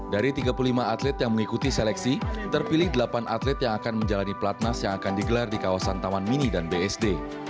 dari tiga puluh lima atlet yang mengikuti seleksi terpilih delapan atlet yang akan menjalani platnas yang akan digelar di kawasan taman mini dan bsd